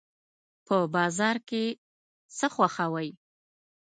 په بازار کې څه خوښوئ؟